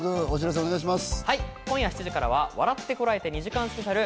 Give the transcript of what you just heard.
今夜７時からは『笑ってコラえて！』２時間スペシャル。